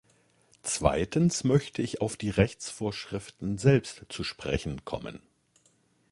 Zweitens möchte ich auf die Rechtsvorschriften selbst zu sprechen kommen.